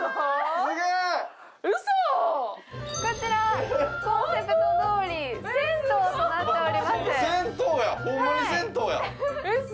こちらコンセプトどおり銭湯となっております。